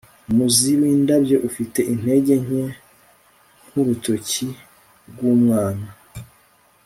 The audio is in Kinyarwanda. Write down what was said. umuzi windabyo ufite intege nke nkurutoki rwumwana